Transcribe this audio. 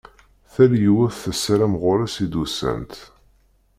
Tal yiwet tessaram ɣur-s i d-usant.